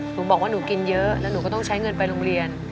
หนูบอกว่าหนูกินเยอะแล้วหนูก็ต้องใช้เงินไปโรงเรียน